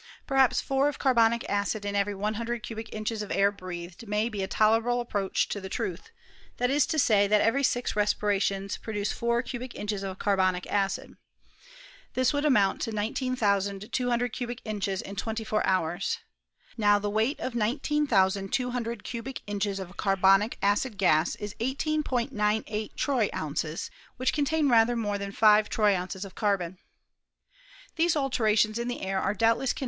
Perhaps four of carbonic acid, in every 100 cubic inches of air breathed, may be a tolerable approach to the truth ; that is to say, that every six respirations produce four cubic inches of carbonic acid. This would amount to 19,200 cubic inches in twenty four hours. Now the weight of 19,200 cubic inches of carbonic acid gas is 18 98 troy ounces, which contain rather more than five troy ounces of carbon. These alterations in the air are doubtless con VOL.